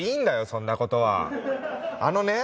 そんなことはあのね